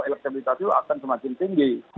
elektabilitasnya akan semakin tinggi